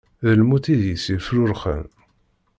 D lmut i deg-s yefrurxen.